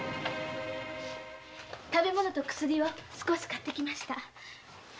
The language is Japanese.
食べ物と薬を少し買って来ました。